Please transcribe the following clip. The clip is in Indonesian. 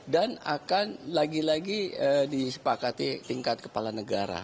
dan akan lagi lagi disepakati tingkat kepala negara